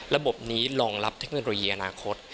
ระบบนี้รองรับเทคโนโลยีอนาคต